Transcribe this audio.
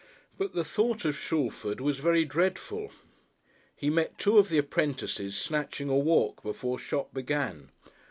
But the thought of Shalford was very dreadful. He met two of the apprentices snatching a walk before shop began.